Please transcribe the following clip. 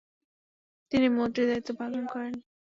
তিনি মন্ত্রীর দায়িত্ব পালন করেন।